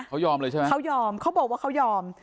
เขายอมเลยใช่ไหมเขายอมเขาบอกว่าเขายอม